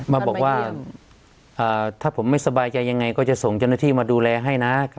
มาบอกว่าถ้าผมไม่สบายใจยังไงก็จะส่งเจ้าหน้าที่มาดูแลให้นะ